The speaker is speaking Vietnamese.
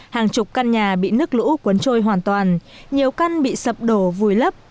hàng chục căn nhà bị nước lũ cuốn trôi hoàn toàn nhiều căn bị sập đổ vùi lấp